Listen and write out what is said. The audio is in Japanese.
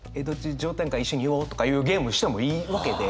上タンか一緒に言おう」とかいうゲームしてもいいわけで。